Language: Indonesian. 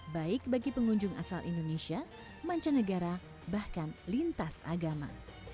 baik bagi pengunjung asal indonesia mancanegara bahkan lintas agama